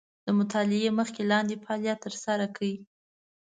د مطالعې مخکې لاندې فعالیت تر سره کړئ.